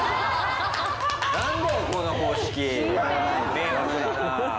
迷惑だな。